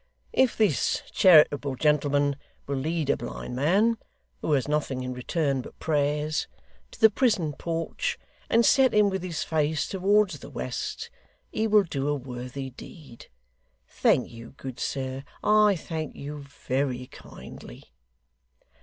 If this charitable gentleman will lead a blind man (who has nothing in return but prayers) to the prison porch, and set him with his face towards the west, he will do a worthy deed. Thank you, good sir. I thank you very kindly.